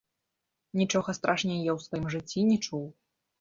Нічога страшней я ў сваім жыцці не чуў.